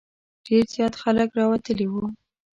ډېر زیات خلک راوتلي وو.